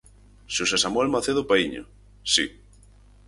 Xosé Samuel Macedo Paíño: Si.